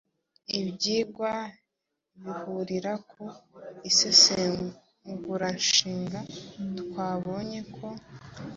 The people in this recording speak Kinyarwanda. Ibyigwa bihurira ku isesenguranshinga twabonye ko: